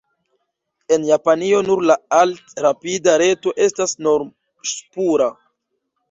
En Japanio nur la alt-rapida reto estas norm-ŝpura.